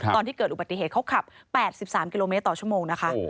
ตอนที่เกิดอุบัติเหตุเขาขับ๘๓กิโลเมตรต่อชั่วโมงนะคะ